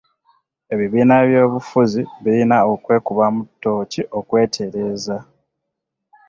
Ebibiina by'oby'obufuzi birina okwekubamu tooki okwetereeza.